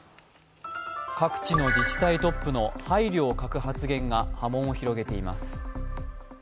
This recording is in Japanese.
各地の自治体トップの配慮を欠く発言が波紋を広げています。